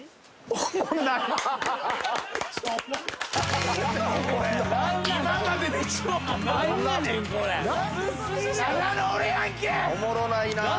おもろないな。